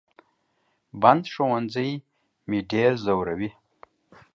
بند ښوونځي مې ډېر زوروي